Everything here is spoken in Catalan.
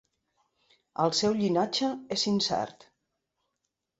El seu llinatge és incert.